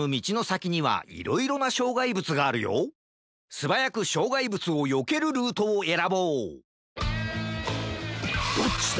すばやくしょうがいぶつをよけるルートをえらぼうどっちだ！？